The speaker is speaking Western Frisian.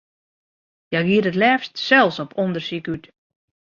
Hja giet it leafst sels op ûndersyk út.